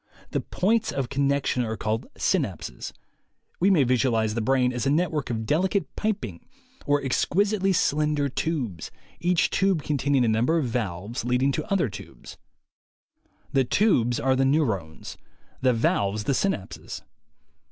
The points of connection are called "synapses." We may visualize the brain as a network of delicate piping or exquisitely slender tubes, each tube con taining a number of valves leading to other tubes. The tubes are the neurones ; the valves the synapses.